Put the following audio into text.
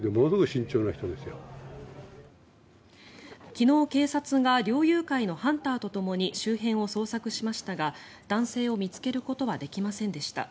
昨日、警察が猟友会のハンターとともに周辺を捜索しましたが男性を見つけることはできませんでした。